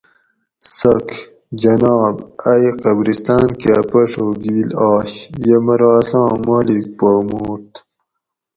څاک: جناب ائ قبرستان کہ پڛ ہوگیل آش یہ مرو اساں مالک پا مورت